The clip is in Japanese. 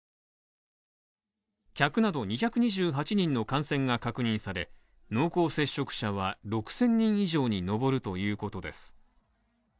客など２２８人の感染が確認され濃厚接触者は６０００人以上に上るということです。